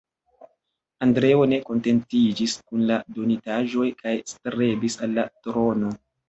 Andreo ne kontentiĝis kun la donitaĵoj kaj strebis al la trono.